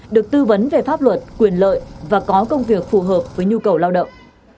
được tư vấn về pháp luật quyền lợi và có công việc phù hợp với nhu cầu lao động